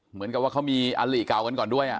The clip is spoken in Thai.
เหมือนกับว่าเขามีอลิเก่ากันก่อนด้วย